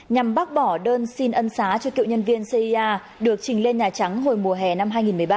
nhằm bác bỏ đơn xin ân xá cho cựu nhân viên cia được trình lên nhà trắng hồi mùa hè năm hai nghìn một mươi ba